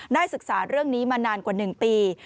ศึกษาเรื่องนี้มานานกว่า๑ปี